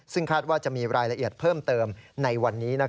ซึ่งคาดว่าจะมีรายละเอียดเพิ่มเติมในวันนี้